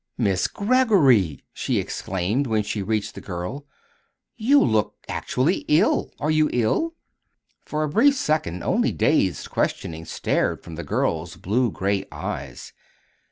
"Miss Greggory!" she exclaimed, when she reached the girl. "You look actually ill. Are you ill?" For a brief second only dazed questioning stared from the girl's blue gray eyes.